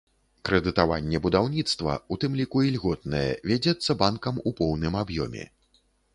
Крэдытаванне будаўніцтва, у тым ліку і льготнае, вядзецца банкам у поўным аб'ёме.